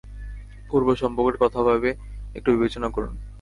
পূর্ব সম্পর্কের কথা ভেবে একটু বিবেচনা করুন।